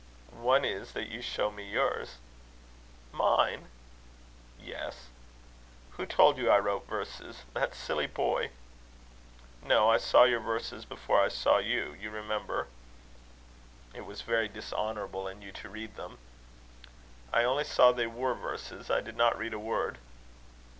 "One is, that you show me yours." "Mine?" "Yes." "Who told you I wrote verses? That silly boy?" "No I saw your verses before I saw you. You remember?" "It was very dishonourable in you to read them." "I only saw they were verses. I did not read a word."